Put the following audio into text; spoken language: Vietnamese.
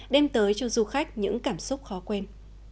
đem tới cho du khách những cảm xúc khó quên